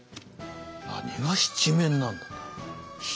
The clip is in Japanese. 何が七面なんだと。